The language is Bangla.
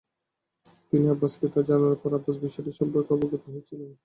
তিনি আব্বাসকে তা জানানোর পর আব্বাস বিষয়টি সম্পর্কে অবগত হয়েছিলেন।